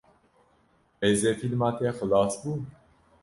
Rêzefîlma te xilas bû?